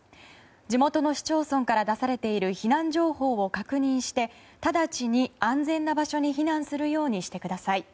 地元の市町村から出されている避難情報を確認して直ちに、安全な場所に避難するようにしてください。